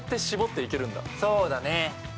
そうだね。